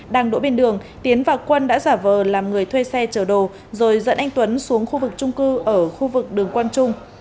đang đỗ bên đường tiến và quân đã giả vờ làm người thuê xe chở đồ rồi dẫn anh tuấn xuống khu vực trung cư ở khu vực đường quang trung